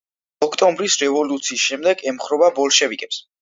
ოქტომბრის რევოლუციის შემდეგ ემხრობა ბოლშევიკებს.